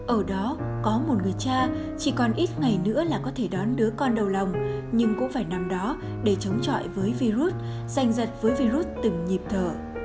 ở đó có một người cha chỉ còn ít ngày nữa là có thể đón đứa con đầu lòng nhưng cũng phải nằm đó để chống chọi với virus danh dật với virus từng nhịp thở